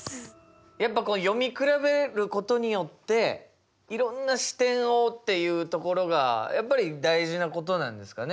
やっぱこう読み比べることによっていろんな視点をっていうところがやっぱり大事なことなんですかね。